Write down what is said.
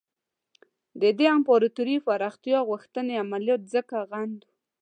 د دې امپراطوري پراختیا غوښتنې عملیات ځکه غندو.